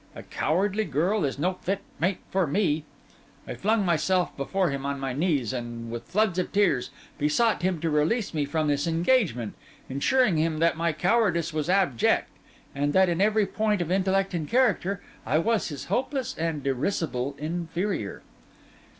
A cowardly girl is no fit mate for me.' I flung myself before him on my knees, and with floods of tears besought him to release me from this engagement, assuring him that my cowardice was abject, and that in every point of intellect and character I was his hopeless and derisible inferior.